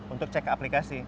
untuk cek aplikasi